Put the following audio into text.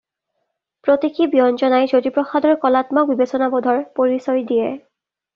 প্ৰতিকী ব্যঞ্জনাই জ্যোতিপ্ৰসাদৰ কলাত্মক বিবেচনাবোধৰ পৰিচয় দিয়ে।